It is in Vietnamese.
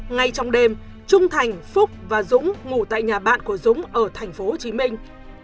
ngay trong đêm trung thành phúc và dũng ngủ tại nhà bạn của dũng ở thành phố hồ chí minh